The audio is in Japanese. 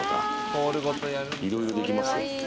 いろいろできますよ。